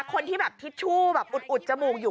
คนที่แบบทิชชู่แบบอุดจมูกอยู่